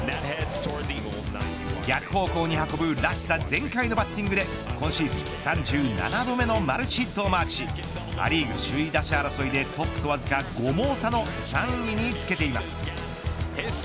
逆方向に運ぶらしさ全開のバッティングで今シーズン３７度目のマルチヒットをマークしア・リーグ首位打者争いでトップとわずか５毛差の３位につけています。